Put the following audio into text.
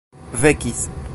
vekis